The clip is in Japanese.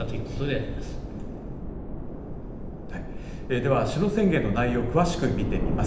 では、首脳宣言の内容を詳しく見てみます。